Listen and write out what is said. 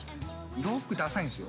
洋服、ダサいんですよ。